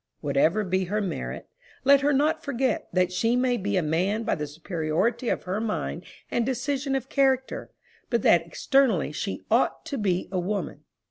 Whatever be her merit, let her not forget that she may be a man by the superiority of her mind and decision of character, but that externally she ought to be a woman!